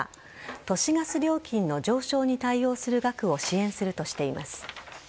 都市ガス料金の上昇に対応する額を支援するとしています。